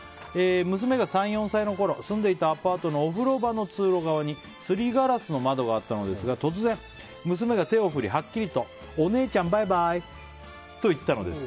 娘が３４歳のころ住んでいたアパートのお風呂場の通路側にすりガラスの窓があったのですが突然、娘が手を振りはっきりとお姉ちゃん、バイバイ！と言ったのです。